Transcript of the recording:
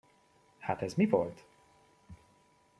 Hát ez mi volt?